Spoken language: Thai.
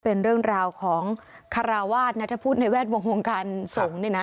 เป็นเรื่องราวของคาราวาสนะถ้าพูดในแวดวงวงการสงฆ์เนี่ยนะ